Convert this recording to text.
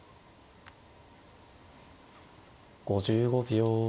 ５５秒。